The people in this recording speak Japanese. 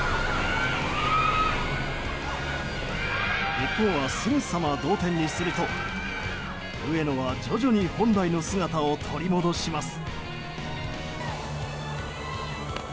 日本はすぐさま同点にすると上野は徐々に本来の姿を取り戻します。